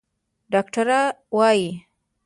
ډاکتران وايي